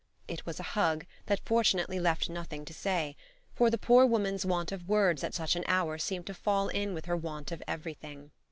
It was a hug that fortunately left nothing to say, for the poor woman's want of words at such an hour seemed to fall in with her want of everything.